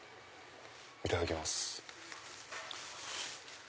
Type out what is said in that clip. いただきます。